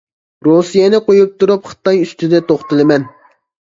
رۇسىيەنى قويۇپ تۇرۇپ خىتاي ئۈستىدە توختىلىمەن.